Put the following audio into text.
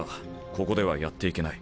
ここではやっていけない。